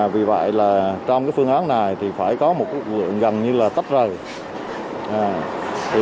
vì vậy là trong cái phương án này thì phải có một lượng gần như là tách rời